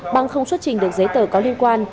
bằng không xuất trình được giấy tờ có liên quan